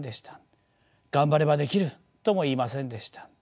「頑張ればできる！」とも言いませんでした。